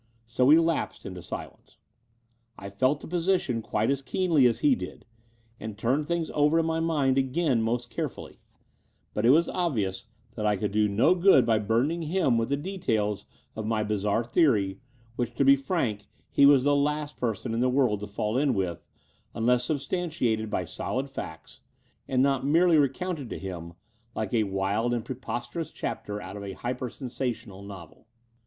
So we lapsed into silence. I felt the position quite as keenly as he did, and turned things over in my mind again most care fully; but it was obvious that I could do no good Between London and Clymping 125 by burdening him with the details of my bizarre theory, which, to be frank, he was the last person in the world to fall in with, unless substantiated by solid facts and not merely recounted to him like a wild and preposterous chapter out of a hyper sensational novel.